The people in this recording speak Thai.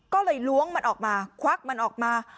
ก็เลยล้วงมันออกมาควักมันออกมา